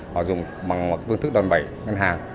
họ dùng bằng bương thức đoàn bẩy ngân hàng